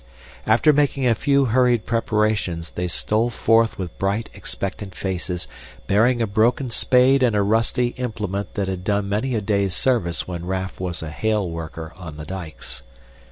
After making a few hurried preparations, they stole forth with bright, expectant faces, bearing a broken spade and a rusty implement that had done many a day's service when Raff was a hale worker on the dikes.